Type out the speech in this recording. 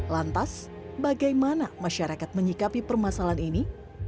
lantas bagaimana masyarakat menyikapi permasalahan ini